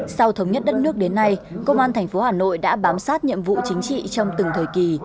sau thống nhất đất nước đến nay công an tp hà nội đã bám sát nhiệm vụ chính trị trong từng thời kỳ